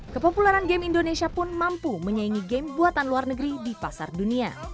kepopuleran game indonesia pun mampu menyaingi game buatan luar negeri di pasar dunia